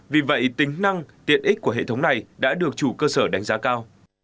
vì vậy tính năng tiện ích của hệ thống này đã được chủ cơ sở đánh giá cao